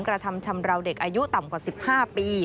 กระทำชำราวเด็กอายุต่ำกว่า๑๕ปี